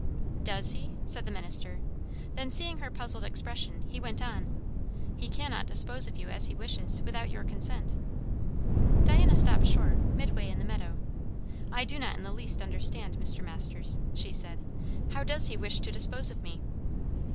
"Does he?" said the minister. Then, seeing her puzzled expression, he went on "He cannot dispose of you as he wishes, without your consent." Diana stopped short, midway in the meadow. "I do not in the least understand, Mr. Masters," she said. "How does He wish to dispose of me?"